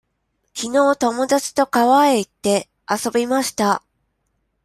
きのう友達と川へ行って、遊びました。